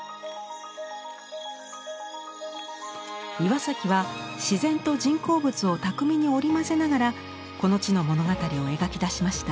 岩崎は自然と人工物を巧みに織り交ぜながらこの地の物語を描き出しました。